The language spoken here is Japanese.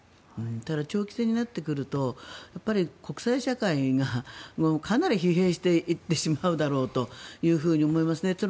ただ長期戦になってくると国際社会がかなり疲弊していってしまうだろうというふうに思いますね。